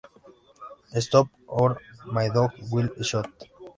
Stop, or My Dog Will Shoot!